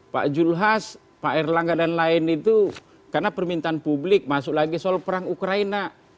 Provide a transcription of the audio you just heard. pak julhas pak erlangga dan lain itu karena permintaan publik masuk lagi soal perang ukraina